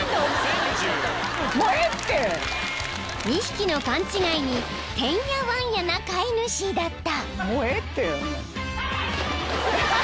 ［２匹の勘違いにてんやわんやな飼い主だった］